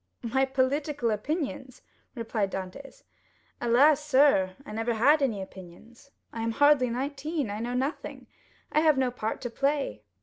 "My political opinions!" replied Dantès. "Alas, sir, I never had any opinions. I am hardly nineteen; I know nothing; I have no part to play.